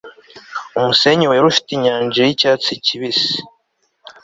umusenyi wera ufite inyanja y' icyatsi kibisi ..